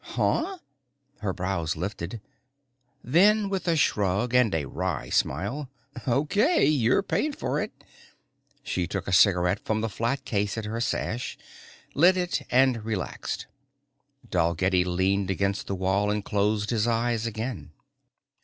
"Huh?" Her brows lifted. Then, with a shrug and a wry smile, "Okay, you're paying for it." She took a cigarette from the flat case at her sash, lit it and relaxed. Dalgetty leaned against the wall and closed his eyes again.